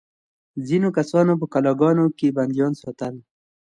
ځینو کسانو په قلعه ګانو کې بندیان ساتل.